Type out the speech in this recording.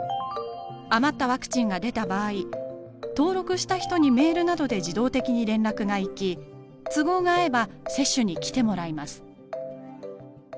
余ったワクチンが出た場合登録した人にメールなどで自動的に連絡が行き都合が合えば接種に来てもらいます。